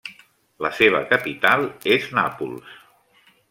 La seva capital és Nàpols.